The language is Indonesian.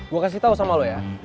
gue kasih tau sama lo ya